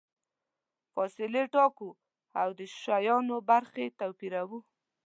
فاصلې ټاکو او د شیانو برخې توپیروو.